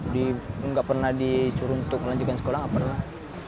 tidak pernah dicurut untuk melanjutkan sekolah tidak pernah